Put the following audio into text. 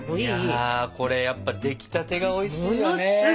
いやこれやっぱ出来たてがおいしいよね。